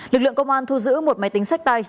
lực lượng công an thu giữ một máy tính sách tay